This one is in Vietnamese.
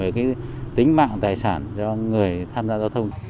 để đảm bảo tính mạng tài sản cho người tham gia giao thông